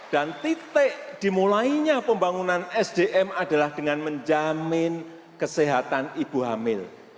dan titik dimulainya pembangunan sdm adalah dengan menjamin kesehatan ibu hamil